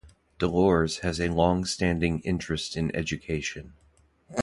Delors has a longstanding interest in education.